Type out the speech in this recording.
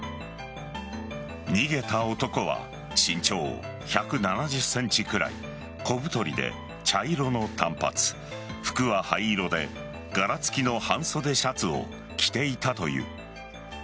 逃げた男は身長１７０ｃｍくらい小太りで茶色の短髪服は灰色で柄付きの半袖シャツを着ていたという。